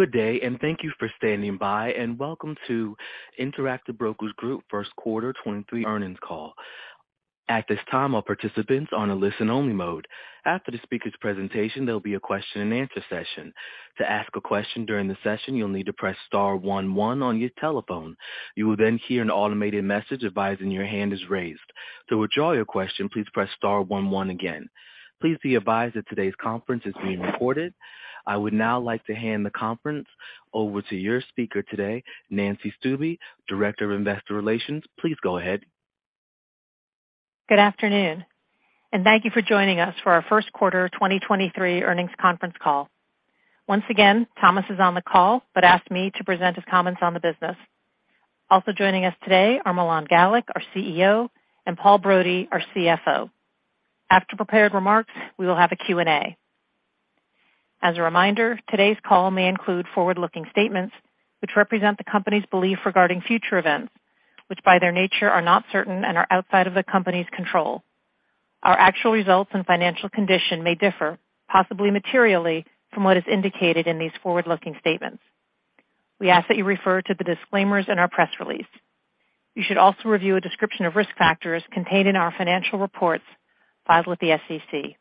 Good day, thank you for standing by, and welcome to Interactive Brokers Group first quarter 23 earnings call. At this time, all participants are on a listen-only mode. After the speaker's presentation, there'll be a question-and-answer session. To ask a question during the session, you'll need to press Star One One on your telephone. You will hear an automated message advising your hand is raised. To withdraw your question, please press Star One One again. Please be advised that today's conference is being recorded. I would now like to hand the conference over to your speaker today, Nancy Stuebe, Director of Investor Relations. Please go ahead. Good afternoon. Thank you for joining us for our first quarter 2023 earnings conference call. Once again, Thomas is on the call, but asked me to present his comments on the business. Also joining us today are Milan Galik, our CEO, and Paul Brody, our CFO. After prepared remarks, we will have a Q&A. As a reminder, today's call may include forward-looking statements, which represent the company's belief regarding future events, which, by their nature, are not certain and are outside of the company's control. Our actual results and financial condition may differ, possibly materially, from what is indicated in these forward-looking statements. We ask that you refer to the disclaimers in our press release. You should also review a description of risk factors contained in our financial reports filed with the SEC.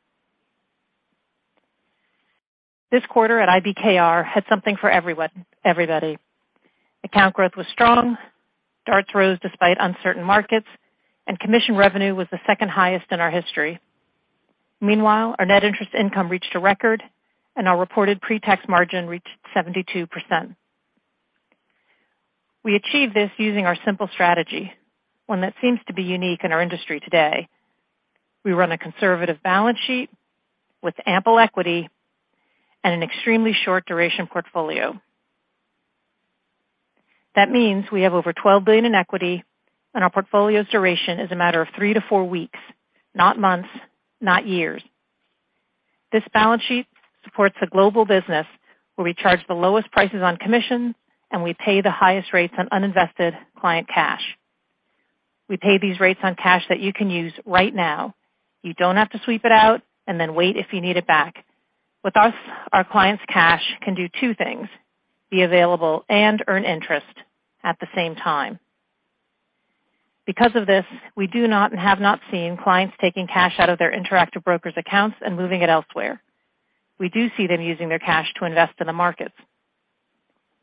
This quarter at IBKR had something for everybody. Account growth was strong, DARTs rose despite uncertain markets, commission revenue was the second highest in our history. Meanwhile, our net interest income reached a record, our reported pre-tax margin reached 72%. We achieved this using our simple strategy, one that seems to be unique in our industry today. We run a conservative balance sheet with ample equity and an extremely short duration portfolio. We have over $12 billion in equity, our portfolio's duration is a matter of three to four weeks, not months, not years. This balance sheet supports a global business where we charge the lowest prices on commission, we pay the highest rates on uninvested client cash. We pay these rates on cash that you can use right now. You don't have to sweep it out and then wait if you need it back. With us, our clients' cash can do two things: be available and earn interest at the same time. Because of this, we do not and have not seen clients taking cash out of their Interactive Brokers accounts and moving it elsewhere. We do see them using their cash to invest in the markets.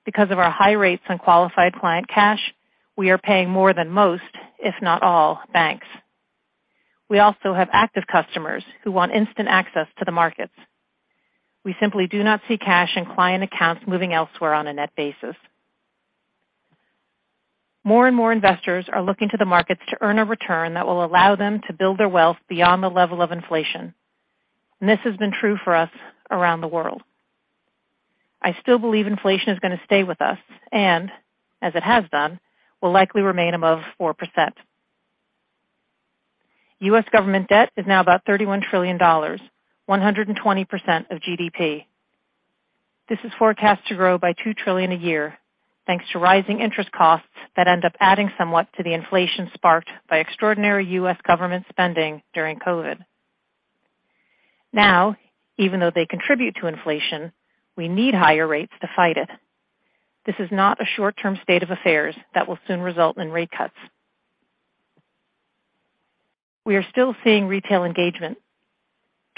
Because of our high rates on qualified client cash, we are paying more than most, if not all, banks. We also have active customers who want instant access to the markets. We simply do not see cash in client accounts moving elsewhere on a net basis. More and more investors are looking to the markets to earn a return that will allow them to build their wealth beyond the level of inflation, and this has been true for us around the world. I still believe inflation is going to stay with us and, as it has done, will likely remain above 4%. U.S. government debt is now about $31 trillion, 120% of GDP. This is forecast to grow by $2 trillion a year, thanks to rising interest costs that end up adding somewhat to the inflation sparked by extraordinary U.S. government spending during COVID. Even though they contribute to inflation, we need higher rates to fight it. This is not a short-term state of affairs that will soon result in rate cuts. We are still seeing retail engagement.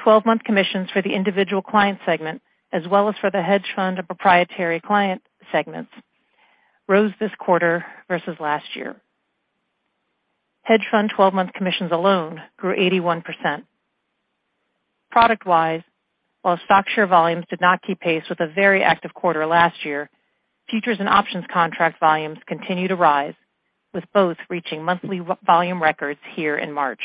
12-month commissions for the individual client segment, as well as for the hedge fund and proprietary client segments, rose this quarter versus last year. Hedge fund 12-month commissions alone grew 81%. Product-wise, while stock share volumes did not keep pace with a very active quarter last year, futures and options contract volumes continued to rise, with both reaching monthly volume records here in March.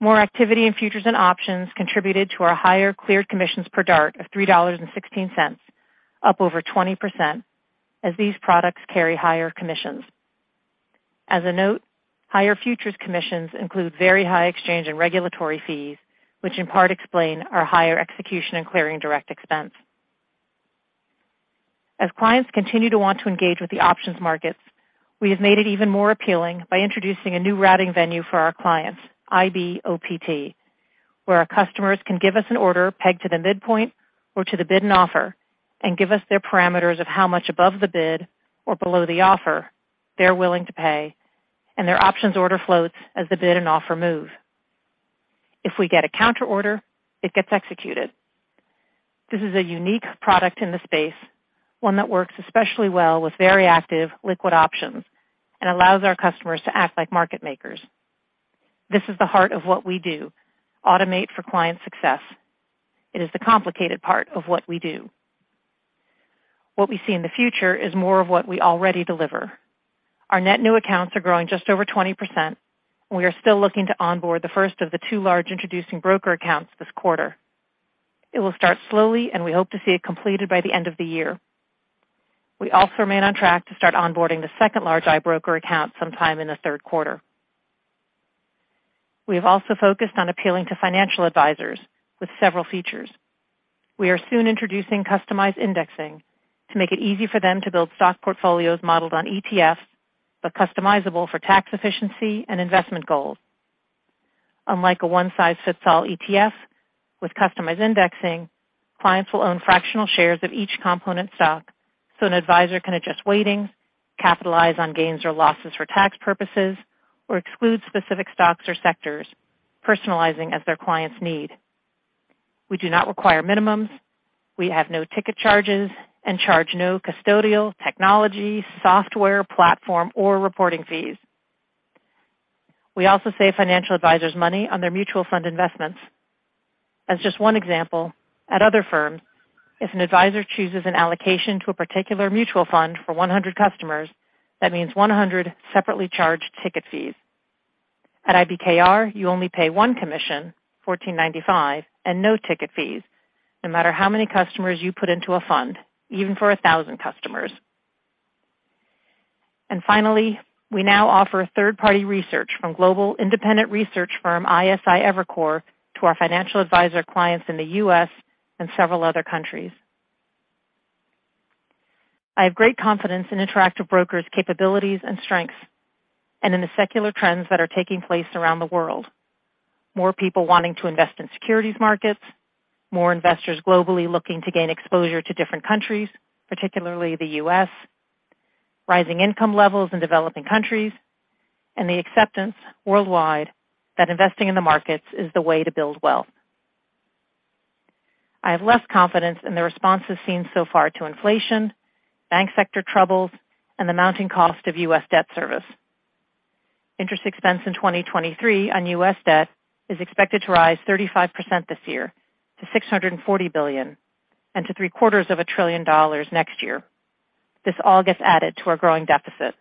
More activity in futures and options contributed to our higher cleared commissions per DART of $3.16, up over 20%, as these products carry higher commissions. As a note, higher futures commissions include very high exchange and regulatory fees, which in part explain our higher execution and clearing direct expense. As clients continue to want to engage with the options markets, we have made it even more appealing by introducing a new routing venue for our clients, IBOPT, where our customers can give us an order pegged to the midpoint or to the bid and offer, and give us their parameters of how much above the bid or below the offer they're willing to pay, and their options order floats as the bid and offer move. If we get a counter order, it gets executed. This is a unique product in the space, one that works especially well with very active liquid options and allows our customers to act like market makers. This is the heart of what we do, automate for client success. It is the complicated part of what we do. What we see in the future is more of what we already deliver. Our net new accounts are growing just over 20%, and we are still looking to onboard the first of the two large introducing broker accounts this quarter. It will start slowly, and we hope to see it completed by the end of the year. We also remain on track to start onboarding the second large iBroker account sometime in the third quarter. We have also focused on appealing to financial advisors with several features. We are soon introducing Custom Indexing to make it easy for them to build stock portfolios modeled on ETFs, but customizable for tax efficiency and investment goals. Unlike a one-size-fits-all ETF, with Custom Indexing, clients will own fractional shares of each component stock, so an advisor can adjust weighting, capitalize on gains or losses for tax purposes, or exclude specific stocks or sectors, personalizing as their clients need. We do not require minimums, we have no ticket charges, and charge no custodial, technology, software, platform, or reporting fees. We also save financial advisors money on their mutual fund investments. As just one example, at other firms, if an advisor chooses an allocation to a particular mutual fund for 100 customers, that means 100 separately charged ticket fees. At IBKR, you only pay one commission, $14.95, and no ticket fees, no matter how many customers you put into a fund, even for 1,000 customers. Finally, we now offer third-party research from global independent research firm Evercore ISI to our financial advisor clients in the U.S. and several other countries. I have great confidence in Interactive Brokers' capabilities and strengths and in the secular trends that are taking place around the world. More people wanting to invest in securities markets, more investors globally looking to gain exposure to different countries, particularly the U.S., rising income levels in developing countries, and the acceptance worldwide that investing in the markets is the way to build wealth. I have less confidence in the responses seen so far to inflation, bank sector troubles, and the mounting cost of U.S. debt service. Interest expense in 2023 on U.S. debt is expected to rise 35% this year to $640 billion and to three-quarters of a trillion dollars next year. This all gets added to our growing deficit.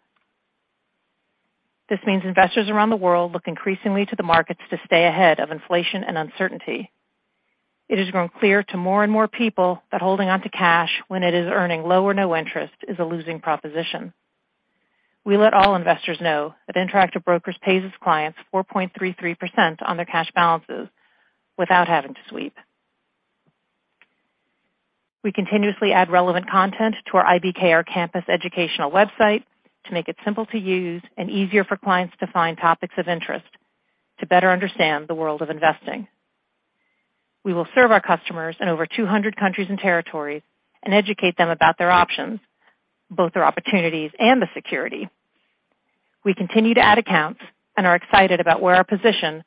This means investors around the world look increasingly to the markets to stay ahead of inflation and uncertainty. It has grown clear to more and more people that holding onto cash when it is earning low or no interest is a losing proposition. We let all investors know that Interactive Brokers pays its clients 4.33% on their cash balances without having to sweep. We continuously add relevant content to our IBKR Campus educational website to make it simple to use and easier for clients to find topics of interest to better understand the world of investing. We will serve our customers in over 200 countries and territories and educate them about their options, both their opportunities and the security. We continue to add accounts and are excited about where our position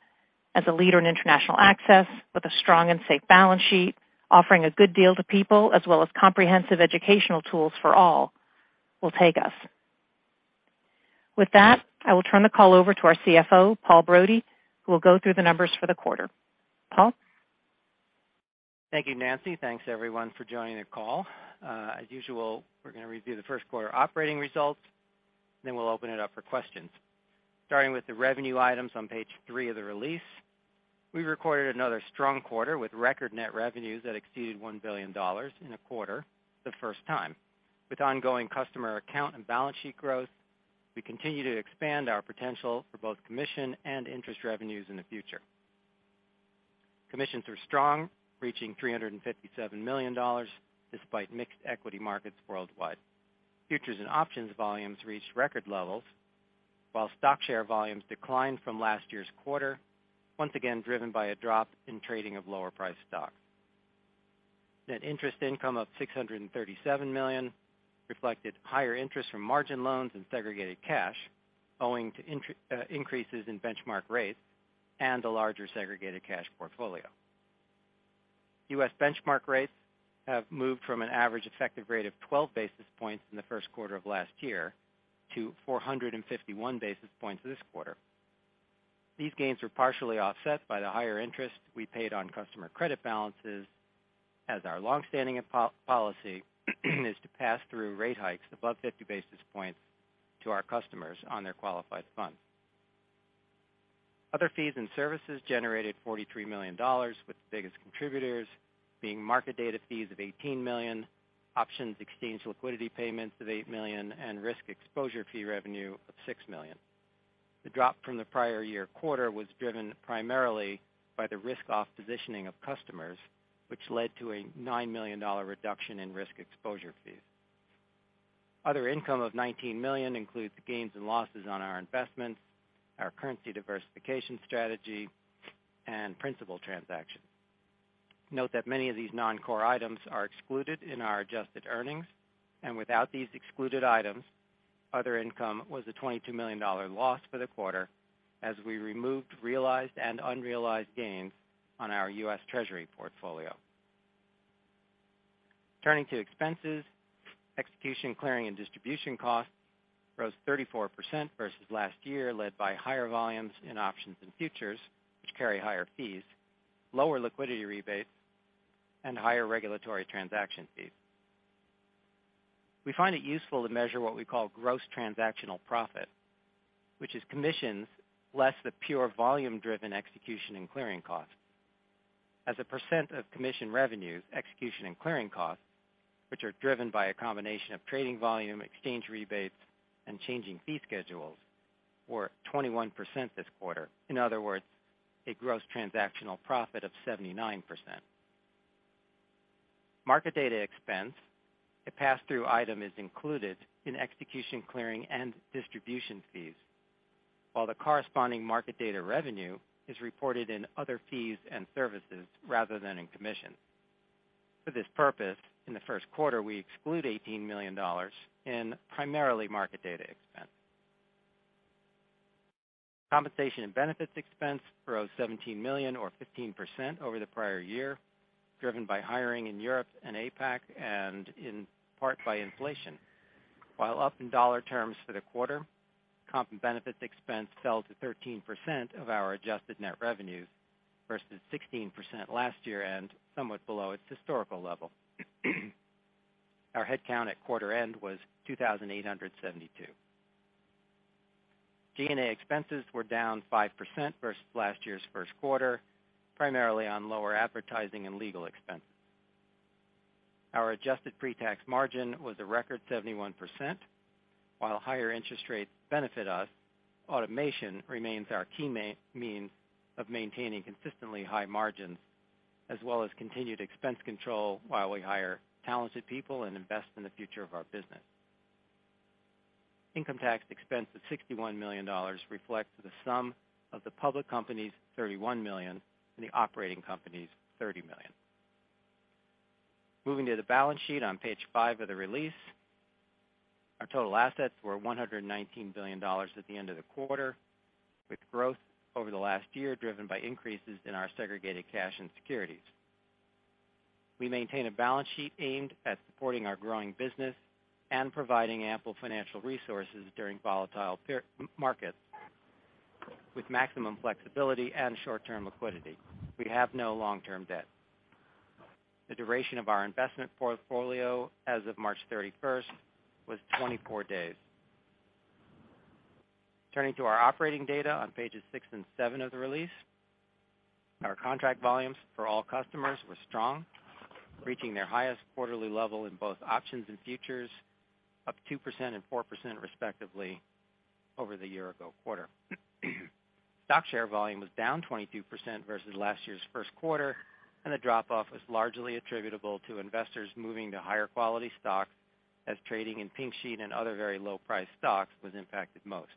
as a leader in international access with a strong and safe balance sheet, offering a good deal to people as well as comprehensive educational tools for all, will take us. With that, I will turn the call over to our CFO, Paul Brody, who will go through the numbers for the quarter. Paul? Thank you, Nancy. Thanks, everyone, for joining the call. As usual, we're going to review the first quarter operating results, then we'll open it up for questions. Starting with the revenue items on page three of the release, we recorded another strong quarter with record net revenues that exceeded $1 billion in a quarter, the first time. With ongoing customer account and balance sheet growth, we continue to expand our potential for both commission and interest revenues in the future. Commissions were strong, reaching $357 million, despite mixed equity markets worldwide. Futures and options volumes reached record levels, while stock share volumes declined from last year's quarter, once again driven by a drop in trading of lower priced stock. Net interest income of $637 million reflected higher interest from margin loans and segregated cash, owing to increases in benchmark rates and a larger segregated cash portfolio. U.S. benchmark rates have moved from an average effective rate of 12 basis points in the first quarter of last year to 451 basis points this quarter. These gains were partially offset by the higher interest we paid on customer credit balances, as our long-standing policy is to pass through rate hikes above 50 basis points to our customers on their qualified funds. Other fees and services generated $43 million, with the biggest contributors being market data fees of $18 million, options exchange liquidity payments of $8 million, and risk exposure fee revenue of $6 million. The drop from the prior year quarter was driven primarily by the risk-off positioning of customers, which led to a $9 million reduction in risk exposure fees. Other income of $19 million includes gains and losses on our investments, our currency diversification strategy, and principal transactions. Note that many of these non-core items are excluded in our adjusted earnings. Without these excluded items, other income was a $22 million loss for the quarter as we removed, realized, and unrealized gains on our U.S/ Treasury portfolio. Turning to expenses, execution, clearing, and distribution costs rose 34% versus last year, led by higher volumes in options and futures, which carry higher fees, lower liquidity rebates, and higher regulatory transaction fees. We find it useful to measure what we call Gross Transactional Profit, which is commissions less the pure volume-driven execution and clearing costs. As a percent of commission revenues, execution and clearing costs, which are driven by a combination of trading volume, exchange rebates, and changing fee schedules, were 21% this quarter. In other words, a Gross Transactional Profit of 79%. Market data expense, a pass-through item, is included in execution, clearing, and distribution fees, while the corresponding market data revenue is reported in other fees and services rather than in commission. For this purpose, in the first quarter, we exclude $18 million in primarily market data expense. Compensation and benefits expense grew $17 million, or 15%, over the prior year, driven by hiring in Europe and APAC, and in part by inflation. While up in dollar terms for the quarter, comp and benefits expense fell to 13% of our adjusted net revenues versus 16% last year and somewhat below its historical level. Our headcount at quarter end was 2,872. G&A expenses were down 5% versus last year's first quarter, primarily on lower advertising and legal expenses. Our adjusted pre-tax margin was a record 71%. While higher interest rates benefit us, automation remains our key means of maintaining consistently high margins, as well as continued expense control while we hire talented people and invest in the future of our business. Income tax expense of $61 million reflects the sum of the public company's $31 million and the operating company's $30 million. Moving to the balance sheet on page five of the release. Our total assets were $119 billion at the end of the quarter, with growth over the last year driven by increases in our segregated cash and securities. We maintain a balance sheet aimed at supporting our growing business and providing ample financial resources during volatile markets, with maximum flexibility and short-term liquidity. We have no long-term debt. The duration of our investment portfolio as of March 31st was 24 days. Turning to our operating data on pages six and seven of the release, our contract volumes for all customers were strong, reaching their highest quarterly level in both options and futures, up 2% and 4% respectively over the year ago quarter. Stock share volume was down 22% versus last year's first quarter, and the drop-off was largely attributable to investors moving to higher quality stocks as trading in pink sheet and other very low-priced stocks was impacted most.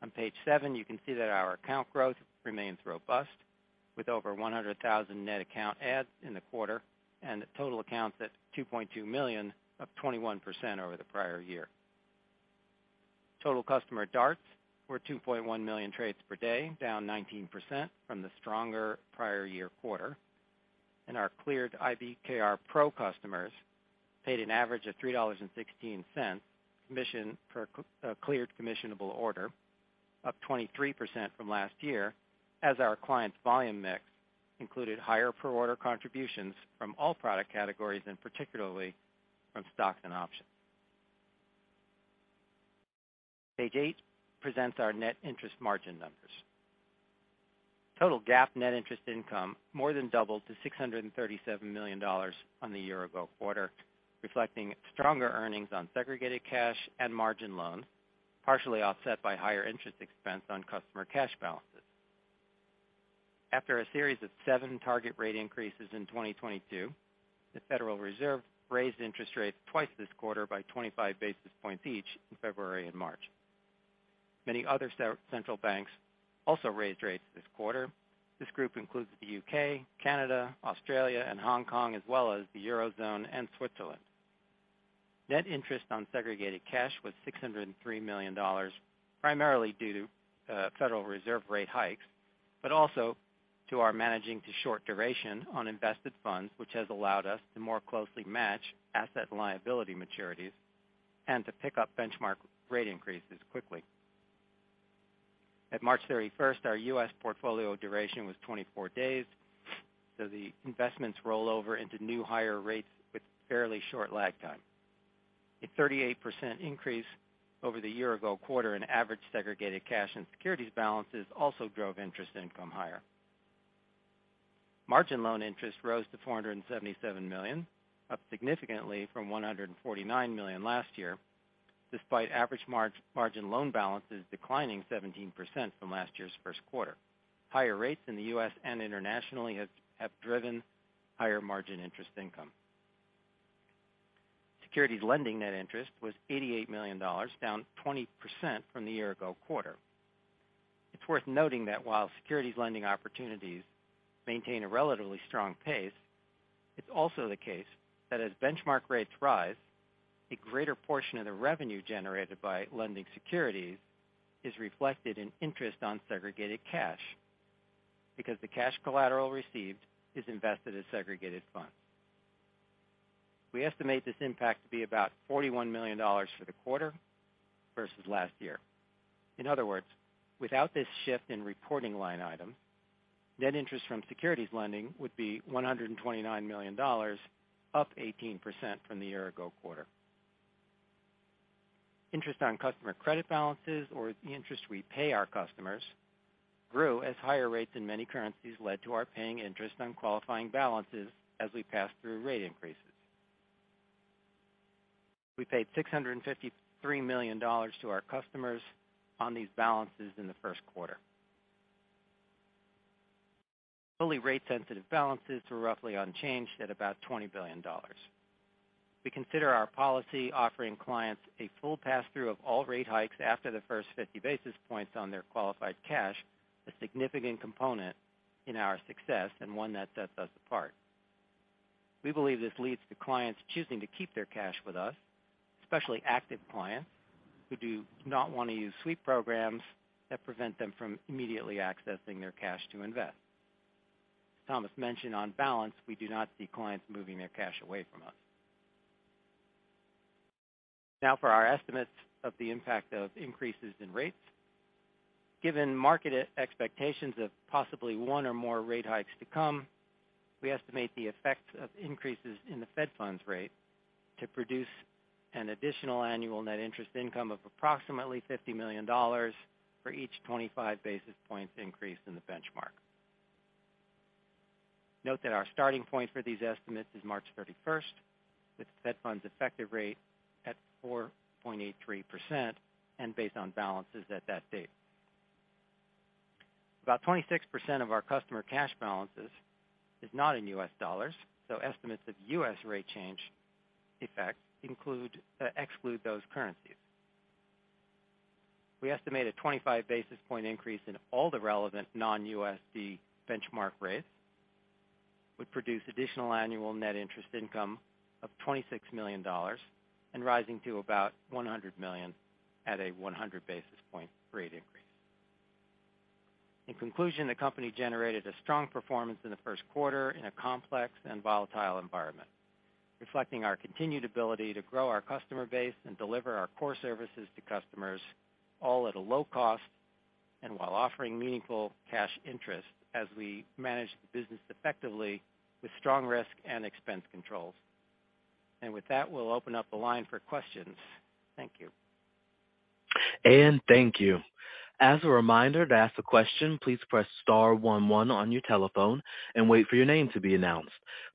On page seven, you can see that our account growth remains robust, with over 100,000 net account adds in the quarter and the total accounts at $2.2 million, up 21% over the prior year. Total customer DARTs were 2.1 million trades per day, down 19% from the stronger prior year quarter, and our cleared IBKR Pro customers paid an average of $3.16 commission per cleared commissionable order, up 23% from last year, as our clients' volume mix included higher per order contributions from all product categories, and particularly from stocks and options. Page eight presents our net interest margin numbers. Total GAAP net interest income more than doubled to $637 million on the year-ago quarter, reflecting stronger earnings on segregated cash and margin loans, partially offset by higher interest expense on customer cash balances. After a series of seven target rate increases in 2022, the Federal Reserve raised interest rates twice this quarter by 25 basis points each in February and March. Many other central banks also raised rates this quarter. This group includes the U.K., Canada, Australia, and Hong Kong, as well as the Eurozone and Switzerland. Net interest on segregated cash was $603 million, primarily due to Federal Reserve rate hikes, but also to our managing to short duration on invested funds, which has allowed us to more closely match asset and liability maturities and to pick up benchmark rate increases quickly. At March 31st, our U.S. portfolio duration was 24 days. The investments roll over into new higher rates with fairly short lag time. A 38% increase over the year-ago quarter in average segregated cash and securities balances also drove interest income higher. Margin loan interest rose to $477 million, up significantly from $149 million last year, despite average margin loan balances declining 17% from last year's 1st quarter. Higher rates in the U.S. and internationally have driven higher margin interest income. Securities lending net interest was $88 million, down 20% from the year-ago quarter. It's worth noting that while securities lending opportunities maintain a relatively strong pace, it's also the case that as benchmark rates rise, a greater portion of the revenue generated by lending securities is reflected in interest on segregated cash, because the cash collateral received is invested as segregated funds. We estimate this impact to be about $41 million for the quarter versus last year. In other words, without this shift in reporting line item, net interest from securities lending would be $129 million, up 18% from the year-ago quarter. Interest on customer credit balances, or the interest we pay our customers, grew as higher rates in many currencies led to our paying interest on qualifying balances as we passed through rate increases.... We paid $653 million to our customers on these balances in the first quarter. Fully rate sensitive balances were roughly unchanged at about $20 billion. We consider our policy offering clients a full passthrough of all rate hikes after the first 50 basis points on their qualified cash, a significant component in our success and one that sets us apart. We believe this leads to clients choosing to keep their cash with us, especially active clients who do not want to use sweep programs that prevent them from immediately accessing their cash to invest. Thomas mentioned on balance, we do not see clients moving their cash away from us. Now for our estimates of the impact of increases in rates. Given market expectations of possibly one or more rate hikes to come, we estimate the effects of increases in the Fed funds rate to produce an additional annual net interest income of approximately $50 million for each 25 basis points increase in the benchmark. Note that our starting point for these estimates is March 31st, with Fed funds effective rate at 4.83% and based on balances at that date. About 26% of our customer cash balances is not in U.S. dollars. Estimates of U.S. rate change effect include, exclude those currencies. We estimate a 25 basis point increase in all the relevant non-USD benchmark rates would produce additional annual net interest income of $26 million and rising to about $100 million at a 100 basis point rate increase. In conclusion, the company generated a strong performance in the first quarter in a complex and volatile environment, reflecting our continued ability to grow our customer base and deliver our core services to customers, all at a low cost and while offering meaningful cash interest as we manage the business effectively with strong risk and expense controls. With that, we'll open up the line for questions. Thank you. Thank you. As a reminder, to ask a question, please press star one one on your telephone and wait for your name to be announced.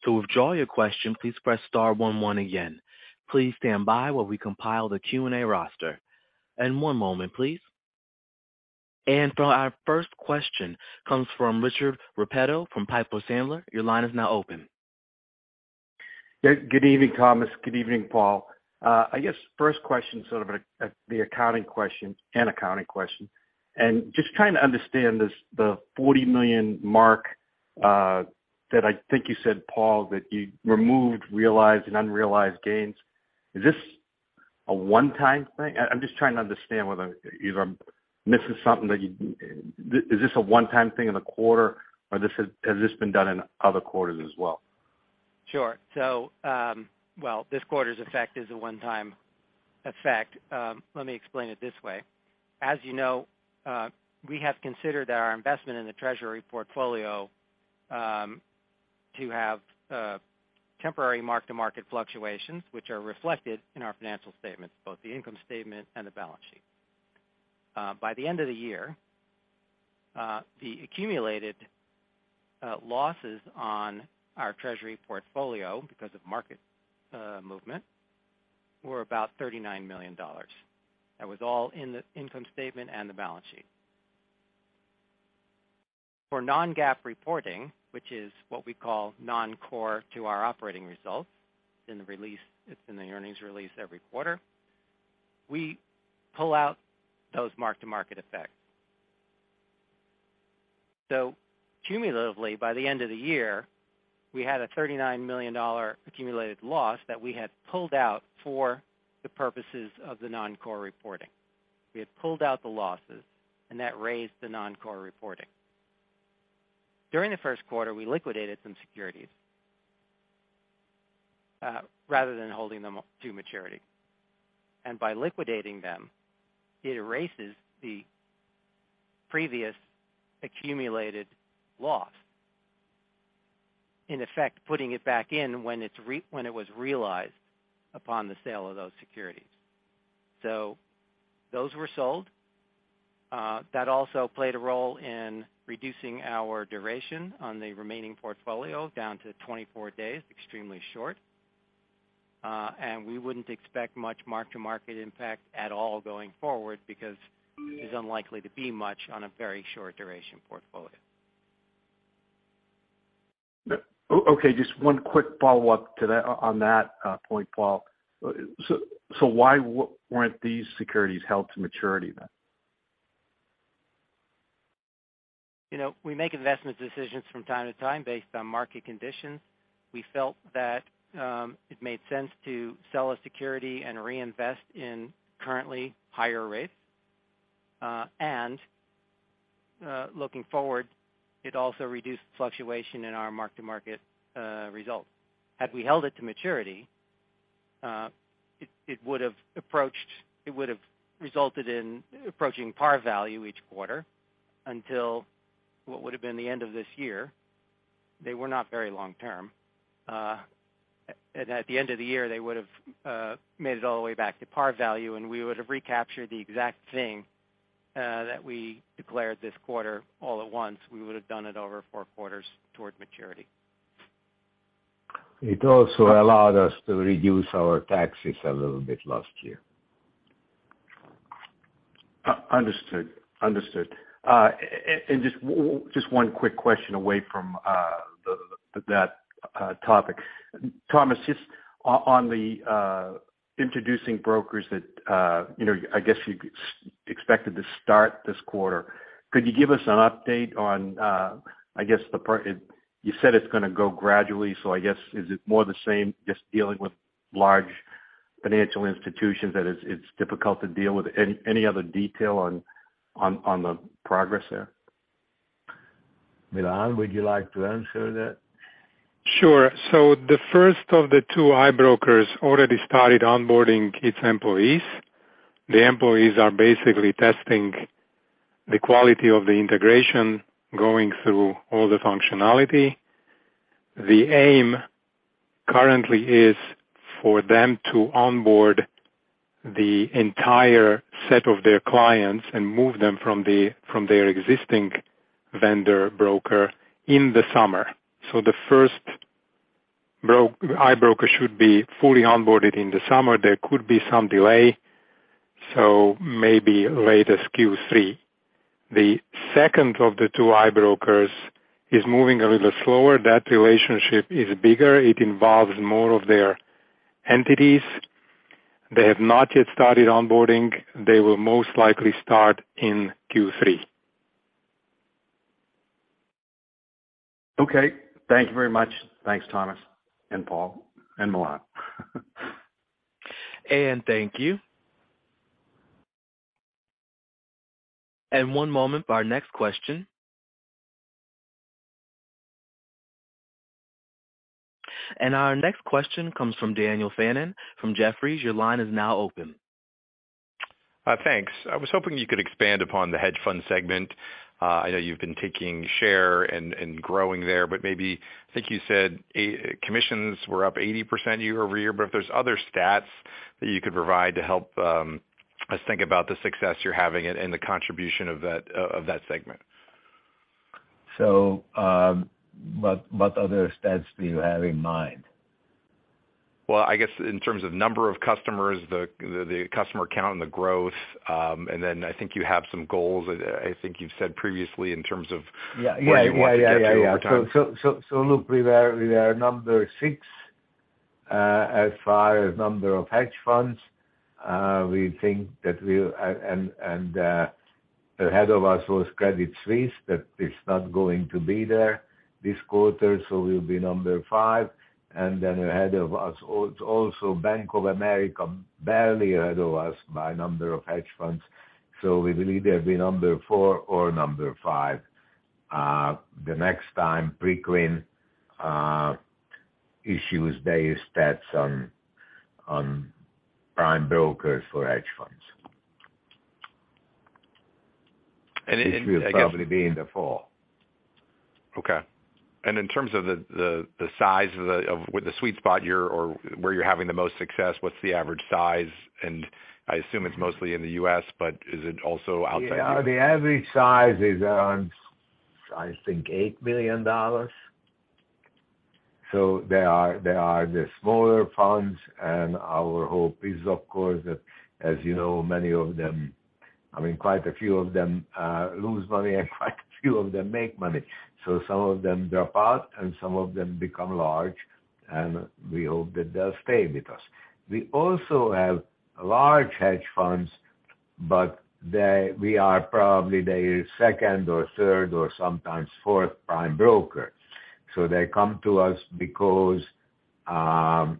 To withdraw your question, please press star one one again. Please stand by while we compile the Q&A roster. One moment, please. For our first question comes from Rich Repetto from Piper Sandler. Your line is now open. Yeah, good evening, Thomas. Good evening, Paul. I guess first question, sort of, an accounting question, and just trying to understand this, the $40 million mark, that I think you said, Paul, that you removed, realized and unrealized gains. Is this a one-time thing? I'm just trying to understand whether either I'm missing something. Is this a one-time thing in the quarter, or has this been done in other quarters as well? Sure. Well, this quarter's effect is a one time effect. Let me explain it this way. As you know, we have considered our investment in the treasury portfolio to have temporary mark-to-market fluctuations, which are reflected in our financial statements, both the income statement and the balance sheet. By the end of the year, the accumulated losses on our treasury portfolio, because of market movement, were about $39 million. That was all in the income statement and the balance sheet. For non-GAAP reporting, which is what we call non-core to our operating results, in the release, it's in the earnings release every quarter, we pull out those mark-to-market effects. Cumulatively, by the end of the year, we had a $39 million accumulated loss that we had pulled out for the purposes of the non-core reporting. We had pulled out the losses and that raised the non-core reporting. During the first quarter, we liquidated some securities, rather than holding them to maturity. By liquidating them, it erases the previous accumulated loss, in effect, putting it back in when it was realized upon the sale of those securities. Those were sold. That also played a role in reducing our duration on the remaining portfolio down to 24 days, extremely short. We wouldn't expect much mark-to-market impact at all going forward, because there's unlikely to be much on a very short duration portfolio. Okay, just one quick follow-up to that on that point, Paul. Why weren't these securities held to maturity then? You know, we make investment decisions from time to time based on market conditions. We felt that it made sense to sell a security and reinvest in currently higher rates. Looking forward, it also reduced fluctuation in our mark-to-market results. Had we held it to maturity, it would have resulted in approaching par value each quarter until what would have been the end of this year. They were not very long term. At the end of the year, they would have made it all the way back to par value, and we would have recaptured the exact same-... that we declared this quarter all at once. We would have done it over four quarters toward maturity. It also allowed us to reduce our taxes a little bit last year. Understood. Understood. Just one quick question away from the topic. Thomas, just on the introducing brokers that, you know, I guess you expected to start this quarter, could you give us an update on, I guess, you said it's gonna go gradually, so I guess, is it more the same, just dealing with large financial institutions that it's difficult to deal with? Any other detail on the progress there? Milan, would you like to answer that? Sure. The first of the two iBrokers already started onboarding its employees. The employees are basically testing the quality of the integration, going through all the functionality. The aim currently is for them to onboard the entire set of their clients and move them from their existing vendor broker in the summer. The first iBroker should be fully onboarded in the summer. There could be some delay, so maybe late as Q3. The second of the two iBrokers is moving a little slower. That relationship is bigger. It involves more of their entities. They have not yet started onboarding. They will most likely start in Q3. Okay, thank you very much. Thanks, Thomas, and Paul and Milan. Thank you. One moment for our next question. Our next question comes from Daniel Fannon from Jefferies. Your line is now open. Thanks. I was hoping you could expand upon the hedge fund segment. I know you've been taking share and growing there, maybe I think you said, commissions were up 80% year-over-year, if there's other stats that you could provide to help us think about the success you're having and the contribution of that segment. What other stats do you have in mind? Well, I guess in terms of number of customers, the customer count and the growth. I think you have some goals. I think you've said previously in terms of- Yeah where you want to get to over time. Yeah. Yeah. Look, we are number six as far as number of hedge funds. We think that. Ahead of us was Credit Suisse, that is not going to be there this quarter, so we'll be number five, and then ahead of us, also Bank of America, barely ahead of us by number of hedge funds. We will either be number four or number five, the next time Preqin issues-based stats on prime brokers for hedge funds. And, and- Which will probably be in the fall. Okay. In terms of the size of the sweet spot you're, or where you're having the most success, what's the average size? I assume it's mostly in the U.S., but is it also outside the? Yeah, the average size is around, I think, $8 billion. There are, there are the smaller funds, and our hope is, of course, that as you know, many of them, I mean, quite a few of them, lose money and quite a few of them make money. Some of them drop out and some of them become large, and we hope that they'll stay with us. We also have large hedge funds, but we are probably the second or third or sometimes fourth prime broker. They come to us because, A,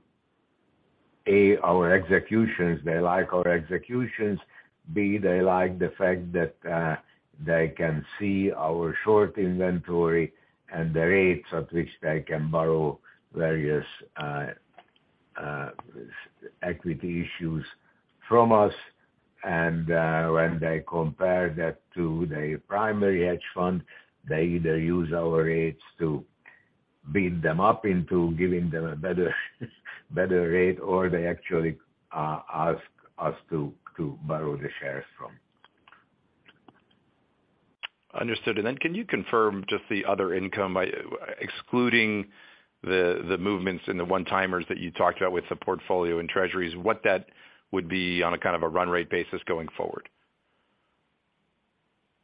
our executions, they like our executions. B, they like the fact that, they can see our short inventory and the rates at which they can borrow various, equity issues from us. When they compare that to the primary hedge fund, they either use our rates to beat them up into giving them a better rate, or they actually, ask us to borrow the shares from. Understood. Can you confirm just the other income excluding the movements in the one-timers that you talked about with the portfolio and treasuries, what that would be on a kind of a run rate basis going forward?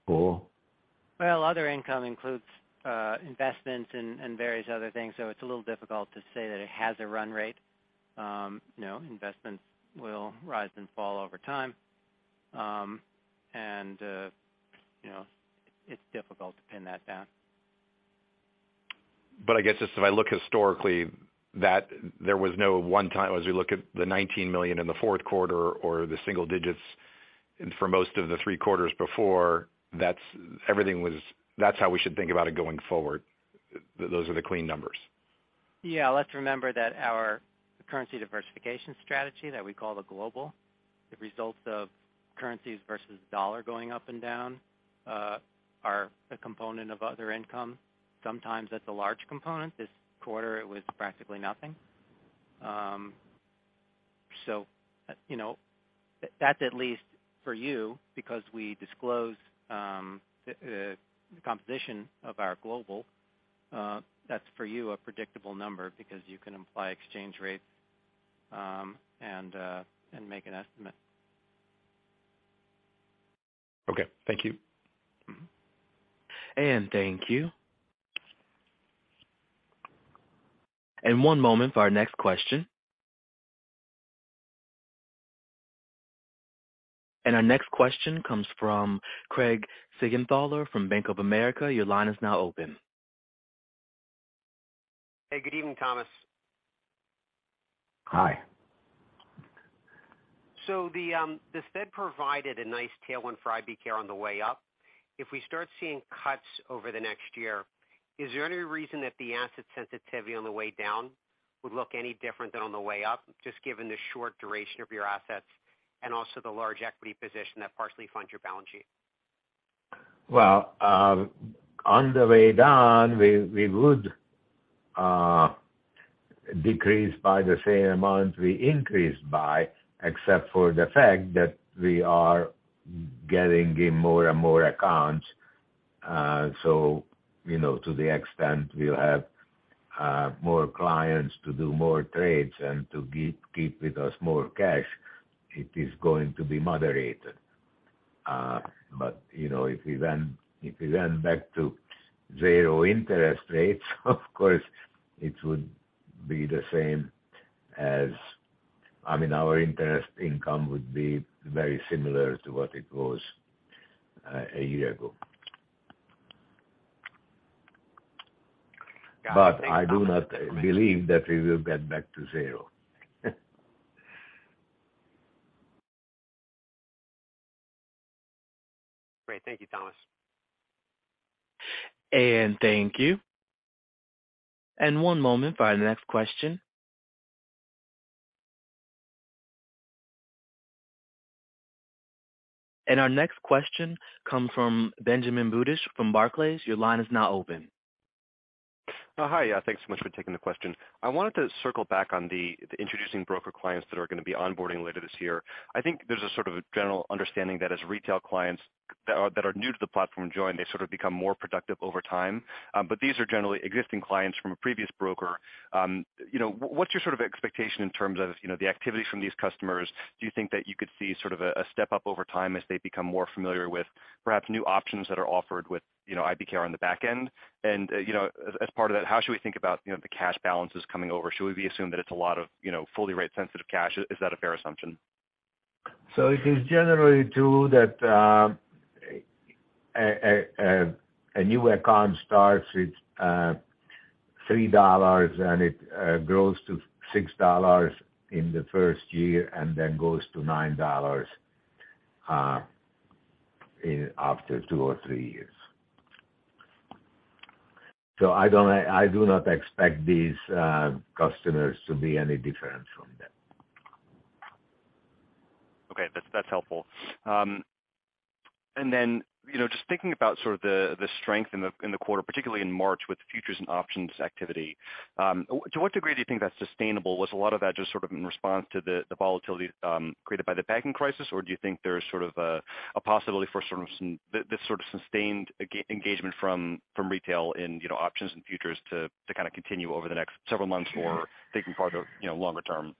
Paul? Other income includes investments and various other things, so it's a little difficult to say that it has a run rate. You know, investments will rise and fall over time. And, you know, it's difficult to pin that down. I guess if I look historically, that there was no one time as we look at the $19 million in the fourth quarter or the single digits, and for most of the three quarters before, that's how we should think about it going forward, those are the clean numbers. Yeah. Let's remember that our currency diversification strategy that we call the GLOBAL, the results of currencies versus U.S. dollar going up and down, a component of other income. Sometimes it's a large component. This quarter, it was practically nothing. You know, that's at least for you, because we disclose, the composition of our GLOBAL, that's for you, a predictable number, because you can imply exchange rates, and make an estimate. Okay. Thank you. Mm-hmm. Thank you. One moment for our next question. Our next question comes from Craig Siegenthaler from Bank of America. Your line is now open. Hey, good evening, Thomas. Hi. The Fed provided a nice tailwind for IBKR on the way up. If we start seeing cuts over the next year, is there any reason that the asset sensitivity on the way down would look any different than on the way up, just given the short duration of your assets and also the large equity position that partially funds your balance sheet? Well, on the way down, we would decrease by the same amount we increased by, except for the fact that we are getting in more and more accounts. You know, to the extent we'll have more clients to do more trades and to keep with us more cash, it is going to be moderated. You know, if we went back to zero interest rates, of course, it would be the same as. I mean, our interest income would be very similar to what it was a year ago. Got it. I do not believe that we will get back to zero. Great. Thank you, Thomas. Thank you. One moment for our next question. Our next question come from Benjamin Budish from Barclays. Your line is now open. Hi, yeah, thanks so much for taking the question. I wanted to circle back on the introducing broker clients that are gonna be onboarding later this year. I think there's a sort of a general understanding that as retail clients that are new to the platform join, they sort of become more productive over time. But these are generally existing clients from a previous broker. You know, what's your sort of expectation in terms of, you know, the activity from these customers? Do you think that you could see sort of a step up over time as they become more familiar with perhaps new options that are offered with, you know, IBKR on the back end? As part of that, how should we think about, you know, the cash balances coming over? Should we assume that it's a lot of, you know, fully rate-sensitive cash? Is that a fair assumption? It is generally true that a new account starts with $3, and it grows to $6 in the first year and then goes to $9 in after two or three years. I do not expect these customers to be any different from that. Okay, that's helpful. You know, just thinking about sort of the strength in the quarter, particularly in March with the futures and options activity, to what degree do you think that's sustainable? Was a lot of that just sort of in response to the volatility created by the banking crisis, or do you think there is sort of a possibility for sort of this sort of sustained engagement from retail in, you know, options and futures to kind of continue over the next several months or taking part of, you know, longer term?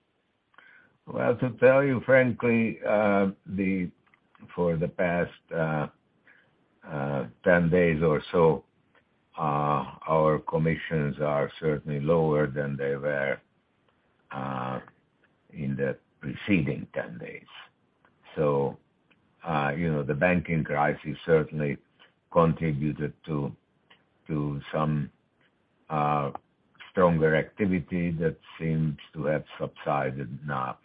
Well, to tell you frankly, for the past 10 days or so, our commissions are certainly lower than they were in the preceding 10 days. You know, the banking crisis certainly contributed to some stronger activity that seems to have subsided now.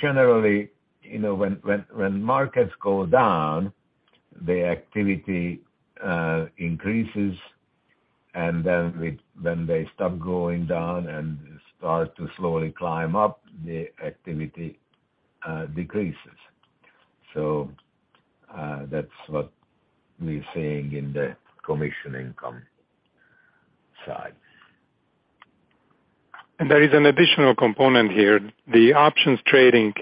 Generally, you know, when markets go down, the activity increases, and then when they stop going down and start to slowly climb up, the activity decreases. That's what we're seeing in the commission income side. There is an additional component here. The options trading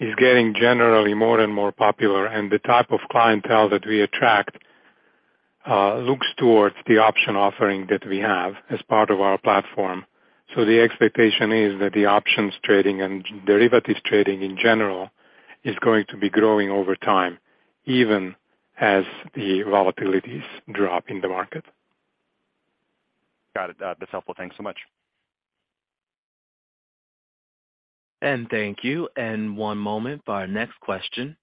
is getting generally more and more popular, and the type of clientele that we attract, looks towards the option offering that we have as part of our platform. The expectation is that the options trading and derivatives trading in general, is going to be growing over time, even as the volatilities drop in the market. Got it. That's helpful. Thanks so much. Thank you. One moment for our next question.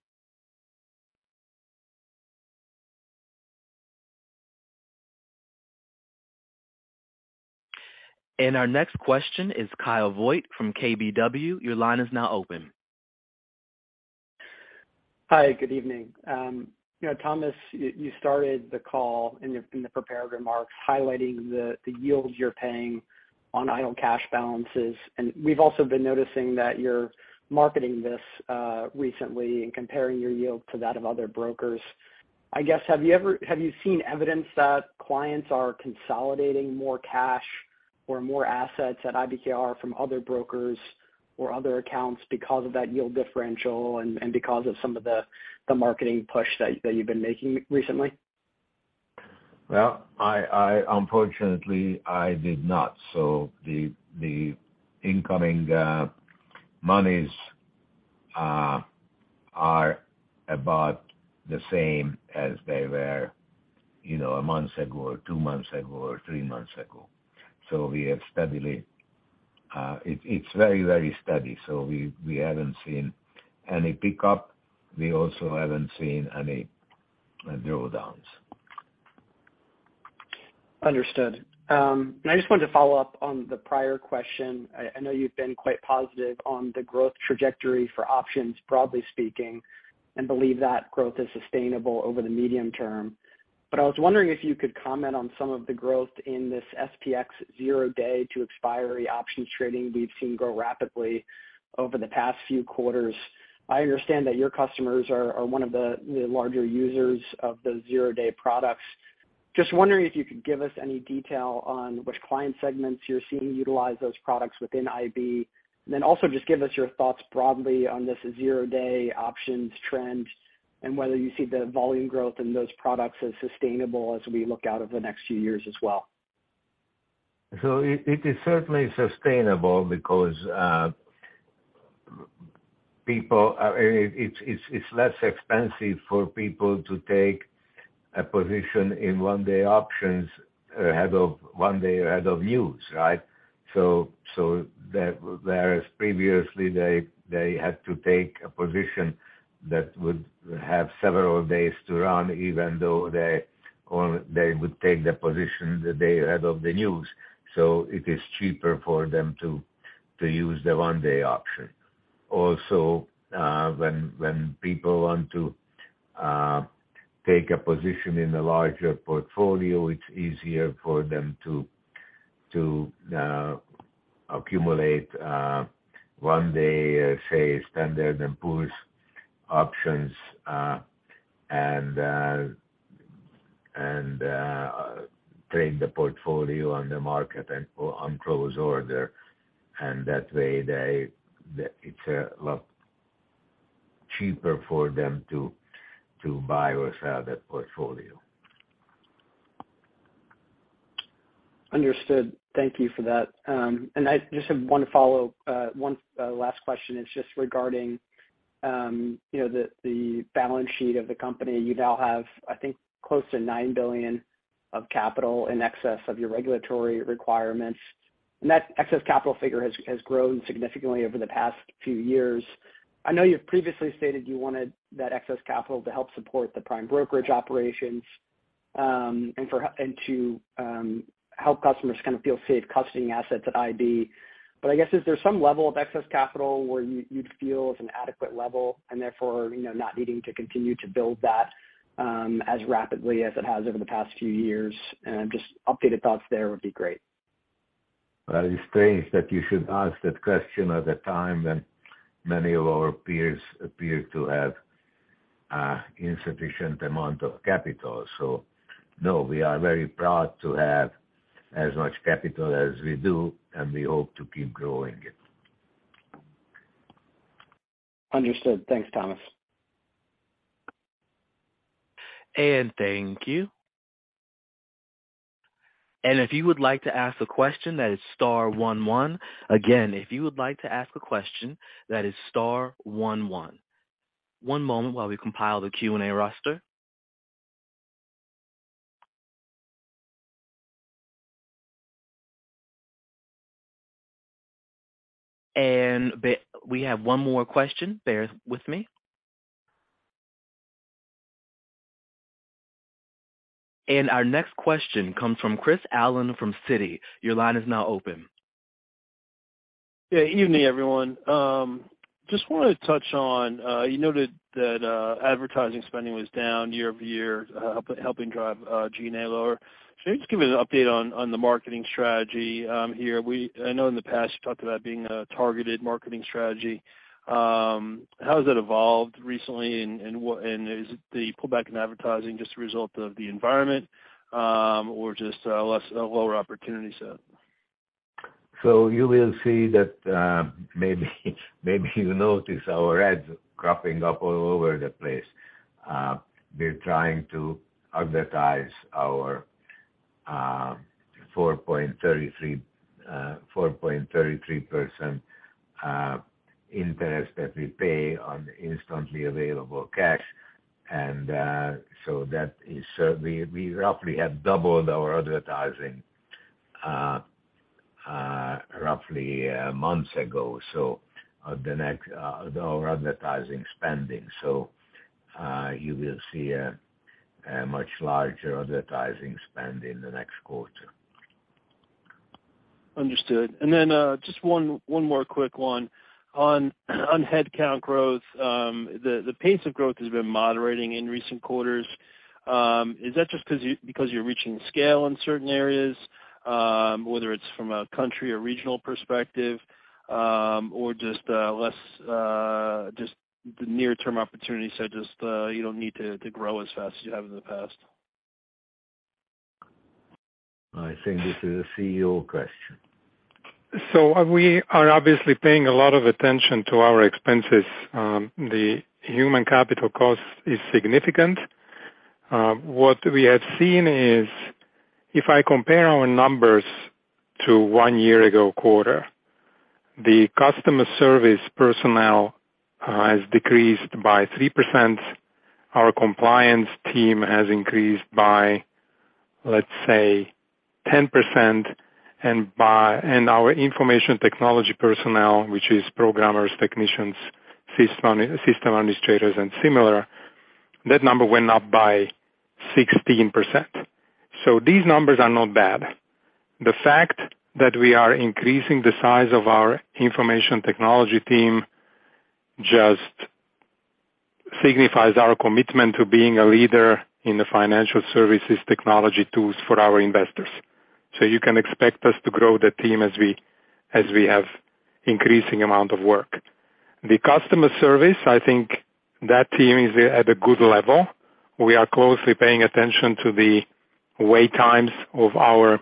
Our next question is Kyle Voigt from KBW. Your line is now open. Good evening. you know, Thomas, you started the call in the prepared remarks, highlighting the yields you're paying on idle cash balances. We've also been noticing that you're marketing this recently and comparing your yield to that of other brokers. I guess, have you seen evidence that clients are consolidating more cash? Or more assets at IBKR from other brokers or other accounts because of that yield differential and because of some of the marketing push that you've been making recently? Well, I unfortunately, I did not. The incoming monies are about the same as they were, you know, a month ago or two months ago or three months ago. We have steadily. It's very steady, so we haven't seen any pickup. We also haven't seen any drawdowns. Understood. I know you've been quite positive on the growth trajectory for options, broadly speaking, and believe that growth is sustainable over the medium term. I was wondering if you could comment on some of the growth in this SPX Zero Day to Expiry options trading we've seen grow rapidly over the past few quarters. I understand that your customers are one of the larger users of the Zero Day products. Wondering if you could give us any detail on which client segments you're seeing utilize those products within IB. Also just give us your thoughts broadly on this Zero Day options trend, and whether you see the volume growth in those products as sustainable as we look out over the next few years as well. It is certainly sustainable because people, it's less expensive for people to take a position in one-day options ahead of one day ahead of news, right? That whereas previously they had to take a position that would have several days to run, even though they would take the position the day ahead of the news. It is cheaper for them to use the one-day option. Also, when people want to take a position in a larger portfolio, it's easier for them to accumulate one day, say, Standard & Poor's options, and trade the portfolio on the market and on close order. That way, they, it's a lot cheaper for them to buy or sell that portfolio. Understood. Thank you for that. I just have one follow-up. One last question is just regarding, you know, the balance sheet of the company. You now have, I think, close to nine billion of capital in excess of your regulatory requirements, and that excess capital figure has grown significantly over the past few years. I know you've previously stated you wanted that excess capital to help support the prime brokerage operations and to help customers kind of feel safe custodying assets at IB. I guess, is there some level of excess capital where you'd feel is an adequate level and therefore, you know, not needing to continue to build that as rapidly as it has over the past few years? Just updated thoughts there would be great. It's strange that you should ask that question at the time when many of our peers appear to have insufficient amount of capital. No, we are very proud to have as much capital as we do, and we hope to keep growing it. Understood. Thanks, Thomas. Thank you. If you would like to ask a question, that is star one one. Again, if you would like to ask a question, that is star one one. One moment while we compile the Q&A roster. We have one more question. Bear with me. Our next question comes from Christopher Allen from Citi. Your line is now open. Yeah, evening, everyone. Just wanted to touch on, you noted that advertising spending was down year-over-year, helping drive GNA lower. Just give me an update on the marketing strategy here. I know in the past, you talked about being a targeted marketing strategy. How has that evolved recently, and what... Is the pullback in advertising just a result of the environment, or just, less, a lower opportunity set? You will see that maybe you'll notice our ads cropping up all over the place. We're trying to advertise our 4.33% interest that we pay on instantly available cash. That is, we roughly have doubled our advertising roughly months ago, the next our advertising spending. You will see a much larger advertising spend in the next quarter. Understood. Then, just one more quick one. On headcount growth, the pace of growth has been moderating in recent quarters. Is that just because you're reaching scale in certain areas, whether it's from a country or regional perspective, or just the near-term opportunity, so just you don't need to grow as fast as you have in the past? I think this is a CEO question. We are obviously paying a lot of attention to our expenses. The human capital cost is significant. What we have seen is, if I compare our numbers to one year ago quarter, the customer service personnel has decreased by 3%. Our compliance team has increased by, let's say, 10%, and our information technology personnel, which is programmers, technicians, system administrators, and similar, that number went up by 16%. These numbers are not bad. The fact that we are increasing the size of our information technology team just signifies our commitment to being a leader in the financial services technology tools for our investors. You can expect us to grow the team as we have increasing amount of work. The customer service, I think that team is at a good level. We are closely paying attention to the wait times of our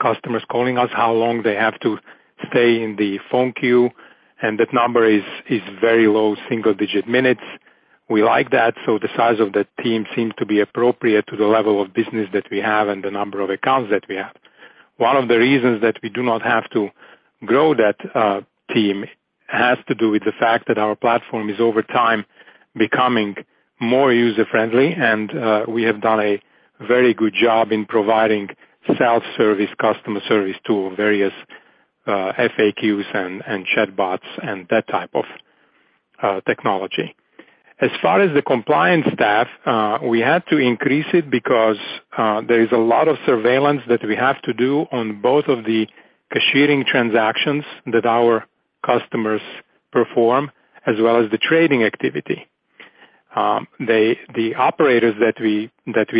customers calling us, how long they have to stay in the phone queue, and that number is very low, single-digit minutes. We like that. The size of the team seems to be appropriate to the level of business that we have and the number of accounts that we have. One of the reasons that we do not have to grow that team, has to do with the fact that our platform is, over time, becoming more user-friendly, and we have done a very good job in providing self-service, customer service to various FAQs and chatbots and that type of technology. As far as the compliance staff, we had to increase it because there is a lot of surveillance that we have to do on both of the cashiering transactions that our customers perform, as well as the trading activity. The operators that we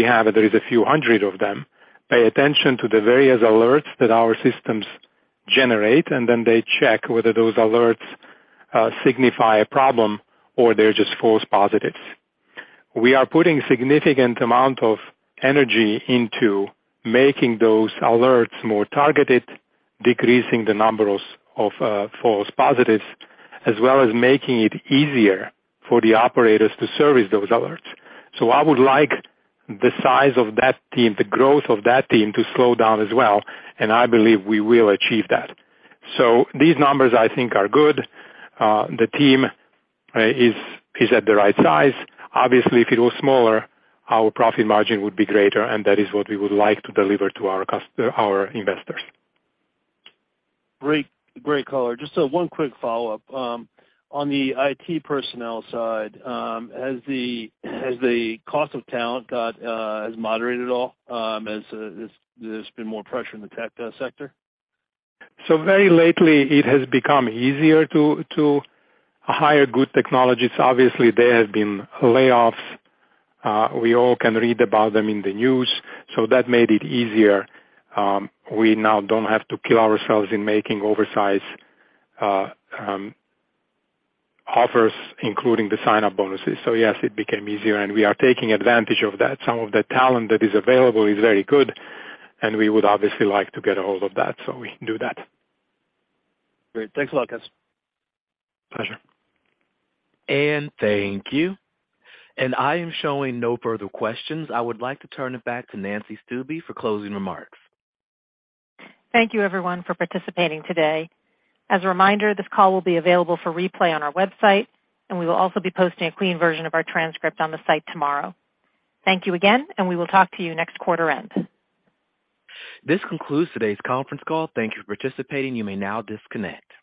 have, there is a few hundred of them, pay attention to the various alerts that our systems generate, and then they check whether those alerts signify a problem or they're just false positives. We are putting significant amount of energy into making those alerts more targeted, decreasing the numbers of false positives, as well as making it easier for the operators to service those alerts. I would like the size of that team, the growth of that team, to slow down as well, and I believe we will achieve that. These numbers, I think, are good. The team is at the right size. Obviously, if it was smaller, our profit margin would be greater. That is what we would like to deliver to our customer, our investors. Great, great color. Just one quick follow-up. On the IT personnel side, has the cost of talent moderated at all, as there's been more pressure in the tech sector? Very lately, it has become easier to hire good technologists. Obviously, there have been layoffs. We all can read about them in the news, so that made it easier. We now don't have to kill ourselves in making oversized offers, including the sign-up bonuses. Yes, it became easier, and we are taking advantage of that. Some of the talent that is available is very good, and we would obviously like to get a hold of that, so we can do that. Great. Thanks a lot, Galik. Pleasure. Thank you. I am showing no further questions. I would like to turn it back to Nancy Stuebe for closing remarks. Thank you, everyone, for participating today. As a reminder, this call will be available for replay on our website, and we will also be posting a clean version of our transcript on the site tomorrow. Thank you again, and we will talk to you next quarter end. This concludes today's conference call. Thank you for participating. You may now disconnect.